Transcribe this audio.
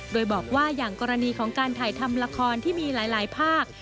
โดยบอกว่าอย่างกรณีของการถ่ายทำละครที่มีหลายภาค